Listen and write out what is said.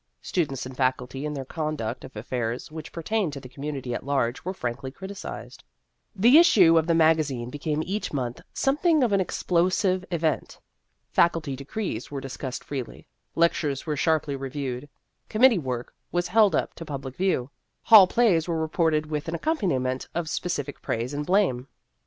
Students and Faculty in their conduct of affairs which pertained to the community at large were frankly criticised. The issue of the mag azine became each month something of an explosive event. Faculty decrees were discussed freely ; lectures were sharply re viewed ; committee work was held up to public view ; hall plays were reported with an accompaniment of specific praise and blame.